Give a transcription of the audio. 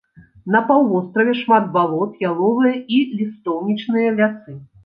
На паўвостраве шмат балот, яловыя і лістоўнічныя лясы.